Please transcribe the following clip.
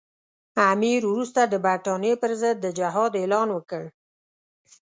امیر وروسته د برټانیې پر ضد د جهاد اعلان وکړ.